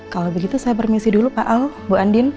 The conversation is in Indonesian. kalau begitu saya permisi dulu pak al bu andin